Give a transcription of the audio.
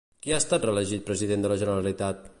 Qui ha estat reelegit president de la Generalitat?